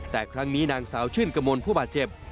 แต่ครั้งนี้นางสาวชื่นกระมวลผู้บาดเจ็บ